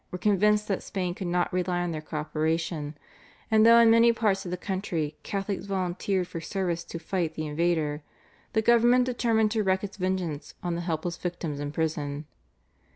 were convinced that Spain could not rely on their co operation, and though in many parts of the country Catholics volunteered for service to fight the invader, the government determined to wreak its vengeance on the helpless victims in prison.